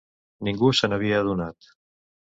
Ningú se n'havia adonat.